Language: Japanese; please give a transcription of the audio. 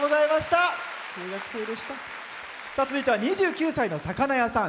続いては２９歳の魚屋さん。